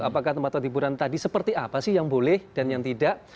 apakah tempat tempat hiburan tadi seperti apa sih yang boleh dan yang tidak